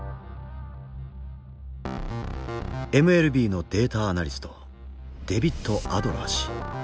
ＭＬＢのデータアナリストデビッド・アドラー氏。